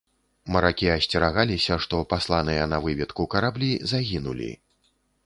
Маракі асцерагаліся, што пасланыя на выведку караблі загінулі.